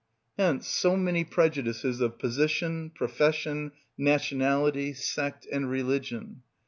Hence so many prejudices of position, profession, nationality, sect, and religion.